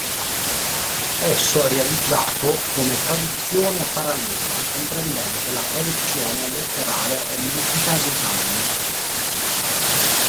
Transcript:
Esso è realizzato come traduzione parallela, comprendente la traduzione letterale e metrica dei Salmi.